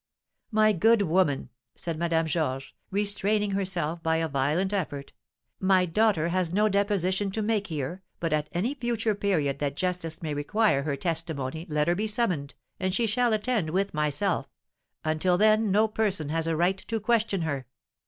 "My good woman!" said Madame Georges, restraining herself by a violent effort, "my daughter has no deposition to make here, but, at any future period that justice may require her testimony let her be summoned, and she shall attend with myself; until then no person has a right to question her."